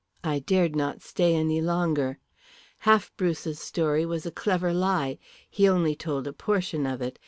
I dared not stay any longer. Half Bruce's story was a clever lie. He only told a portion of it.